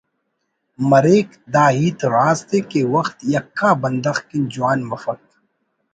مریک دا ہیت راست ءِ کہ وخت یکا بندغ کن جوان مفک